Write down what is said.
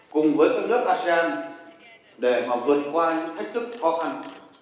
cùng với các nước asean để mà vượt qua những thách thức khó khăn